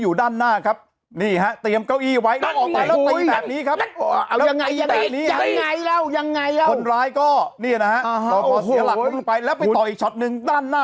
ยังไงยังไงยังไงยังไงยังไงยังไงยังไงยังไงยังไงยังไง